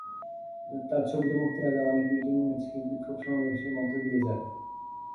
তাঁর ছবিটি মুক্তির আগে অনেক মিটিং, মিছিল, বিক্ষোভ-সমাবেশের মধ্য দিয়ে যায়।